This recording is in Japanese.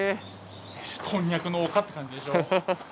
こんにゃく農家って感じでしょ。